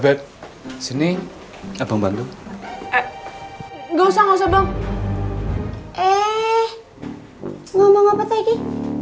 bet sini abang bantu enggak usah usah bang eh ngomong apa tadi